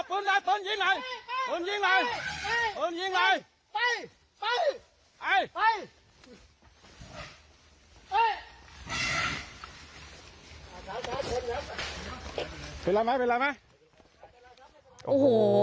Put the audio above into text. โอ้โห